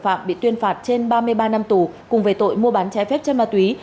phạm bị tuyên phạt trên ba mươi ba năm tù cùng về tội mua bán trái phép chân ma túy